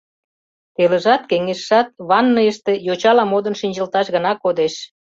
Телыжат-кеҥежшат ванныйыште йочала модын шинчылташ гына кодеш.